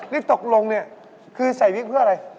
นี่ตกลงเนี่ยคือใส่วิกเพื่ออะไร